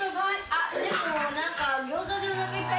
あっでもなんかギョーザでおなかいっぱい。